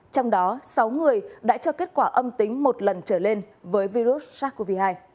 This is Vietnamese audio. trong đó sáu người đã cho kết quả âm tính một lần trở lên với virus sars cov hai